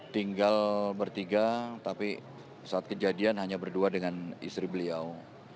tinggal bertiga tapi saat kejadian hanya berdua dengan istri beliau